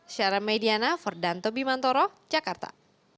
syara mediana fordanto bimantoro jakarta